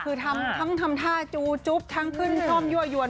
คือทำทั้งทำท่าจูจุ๊บทั้งขึ้นคล่อมยั่วยวน